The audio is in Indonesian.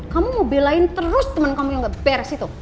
kamu mau belain terus temen kamu yang gak beres itu